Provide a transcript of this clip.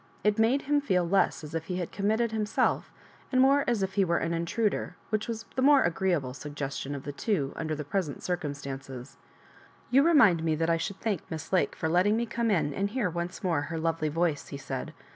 It made him feel less as If he had committed himself, and more as if be were an intruder, which was the more agreeable sug gestion of the two under the present circumstan oe& " You remind me that I should thank Miss Lake for letting me come in and hear once more her lovely voice," he said.